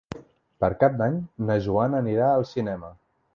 Per Cap d'Any na Joana anirà al cinema.